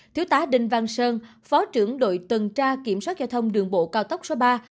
thiếu tá đinh văn sơn phó trưởng đội tuần tra kiểm soát giao thông đường bộ cao tốc số ba